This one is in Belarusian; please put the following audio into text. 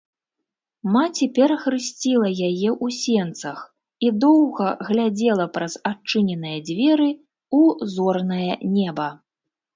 Маці перахрысціла яе ў сенцах і доўга глядзела праз адчыненыя дзверы ў зорнае неба.